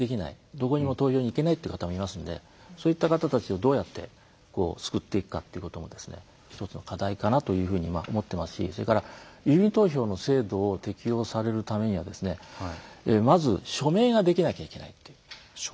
どこにも投票に行けないという方もいますのでそういった方たちをどうやって救っていくかということも一つの課題かなというふうに思ってますしそれから郵便投票の制度を適用されるためにはまず署名ができなきゃいけないという。